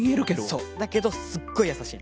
そうだけどすっごいやさしいの。